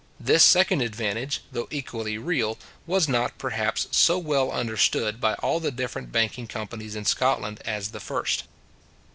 This second advantage, though equally real, was not, perhaps, so well understood by all the different banking companies in Scotland as the first.